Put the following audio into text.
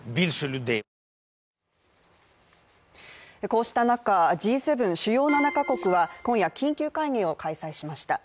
こうした中、Ｇ７＝主要７か国は今夜、緊急会議を開催しました。